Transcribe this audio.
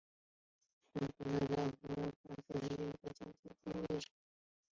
帕克出生在俄亥俄州奈尔森维尔是一名企业家兼记者。